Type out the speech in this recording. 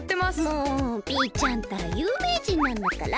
もうピーちゃんったらゆうめいじんなんだから！